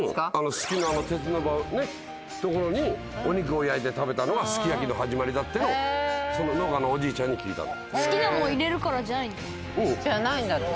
すきの鉄の所にお肉を焼いて食べたのがすき焼きの始まりだってのその農家のおじいちゃんに聞いたの。じゃないんだって。